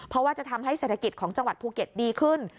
เพราะว่าจะทำให้เศรษฐกิจของจังหวัดภูเก็ตดีขึ้น